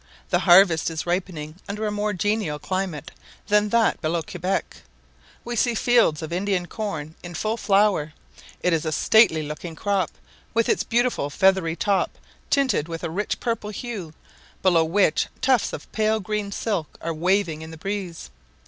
The harvest is ripening under a more genial climate than that below Quebec. We see fields of Indian corn in full flower: it is a stately looking crop, with its beautiful feathery top tinted with a rich purple hue, below which tufts of pale green silk are waving in the breeze.